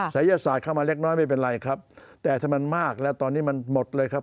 ศัยศาสตร์เข้ามาเล็กน้อยไม่เป็นไรครับแต่ถ้ามันมากแล้วตอนนี้มันหมดเลยครับ